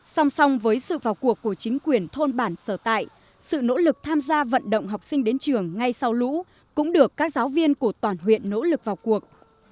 song song với sự vào cuộc của chính quyền thôn bản sở tại sự nỗ lực tham gia vận động học sinh đến trường ngay sau lũ cũng được các giáo viên của toàn huyện nỗ lực vào cuộc